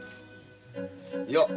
いや。